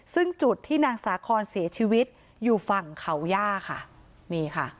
ซึ่งจุดที่นางสาคอนเสียชีวิตอยู่ฝั่งเขาย่าค่ะนี่ค่ะ